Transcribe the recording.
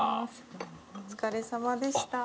お疲れさまでした。